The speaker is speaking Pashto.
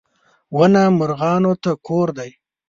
• ونه مرغانو ته کور دی.